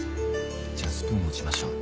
じゃあスプーン持ちましょう。